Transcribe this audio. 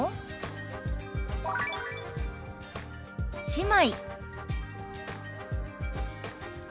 「姉妹」。